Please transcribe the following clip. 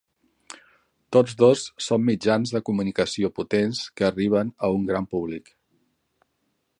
Tots dos són mitjans de comunicació potents que arriben a un gran públic.